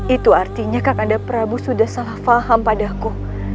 itu artinya kakanda prabu sudah salah faham padaku